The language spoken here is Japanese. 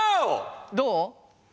どう？